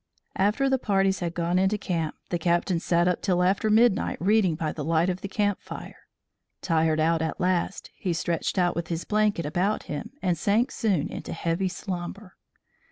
After the parties had gone into camp, the Captain sat up till after midnight reading by the light of the camp fire. Tired out at last, he stretched out with his blanket about him and sank soon into heavy slumber.